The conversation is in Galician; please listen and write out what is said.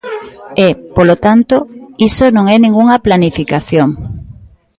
E, polo tanto, iso non é ningunha planificación.